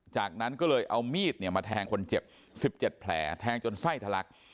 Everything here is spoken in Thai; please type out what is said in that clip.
จากนั้นก็เลยเอามีดมาแทงคนเจ็บ๑๗แผลแทงจนไส้ทะลัก